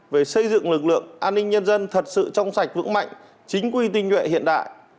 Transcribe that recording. về xây dựng lực lượng an ninh nhân dân thật sự trong sạch vững mạnh chính quy tinh nguyện hiện đại